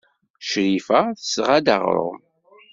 Crifa tesɣa-d aɣrum.